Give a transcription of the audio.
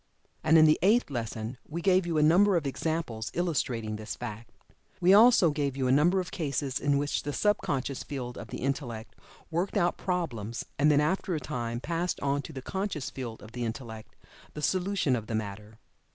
And in the Eighth Lesson we gave you a number of examples illustrating this fact. We also gave you a number of cases in which the sub conscious field of the Intellect worked out problems, and then after a time passed on to the conscious field of the Intellect the solution of the matter.